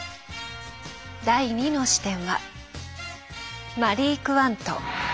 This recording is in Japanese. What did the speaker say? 第２の視点はマリー・クワント。